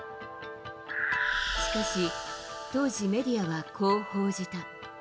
しかし、当時メディアはこう報じた。